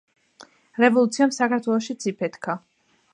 რევოლუციამ საქართველოშიც იფეთქა.